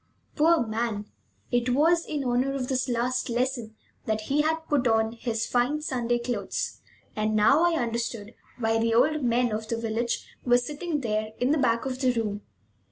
Poor man! It was in honor of this last lesson that he had put on his fine Sunday clothes, and now I understood why the old men of the village were sitting there in the back of the room.